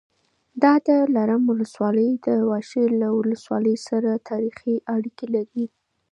د دلارام ولسوالي د واشېر له ولسوالۍ سره تاریخي اړیکې لري